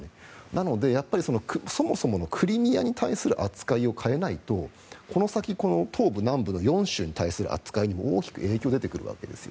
なので、そもそものクリミアに対する扱いを変えないとこの先、東部・南部の４州に対する扱いに大きく影響が出てくるわけです。